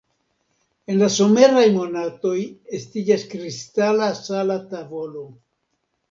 En la someraj monatoj estiĝas kristala sala tavolo.